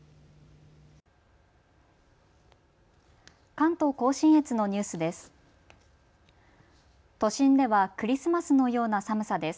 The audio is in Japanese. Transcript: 関東甲信越のニュースです。